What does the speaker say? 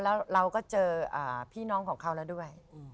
แล้วเราก็เจอพี่น้องของเขาแล้วด้วย